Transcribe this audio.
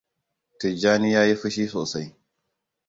Tijjani ya yi fushi sosai.